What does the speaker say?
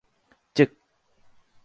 จึก